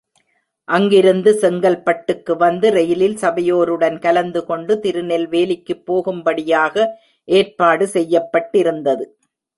அங்கிருந்து செங்கல்பட்டுக்கு வந்து ரெயிலில் சபையோருடன் கலந்துகொண்டு திருநெல்வேலிக்குப் போகும்படியாக ஏற்பாடு செய்யப்பட்டிருந்தது.